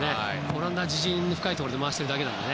オランダは自陣の深いところで回しているだけなので。